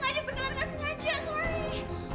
mama saya benang benang gak sengaja sorry